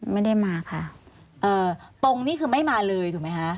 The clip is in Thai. ไม่ได้มาค่ะเอ่อตรงนี้คือไม่มาเลยถูกไหมคะ